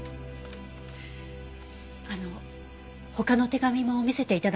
あの他の手紙も見せて頂けませんか？